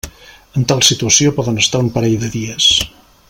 En tal situació poden estar un parell de dies.